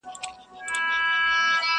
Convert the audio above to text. له غاړګیو به لمني تر لندنه ورځي!